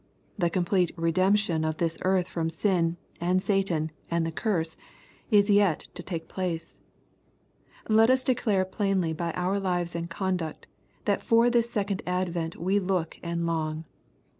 The complete " re demption'' of this earth from sin, and Satan, and the curse, is yet to take place. Let us declare plainly by our lives and conduct, that for this second advent we look and long.